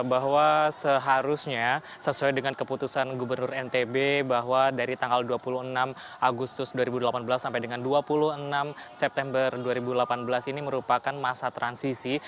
bahwa seharusnya sesuai dengan keputusan gubernur ntb bahwa dari tanggal dua puluh enam agustus dua ribu delapan belas sampai dengan dua puluh enam september dua ribu delapan belas ini merupakan masa transisi